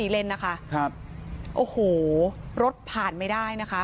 เลนนะคะครับโอ้โหรถผ่านไม่ได้นะคะ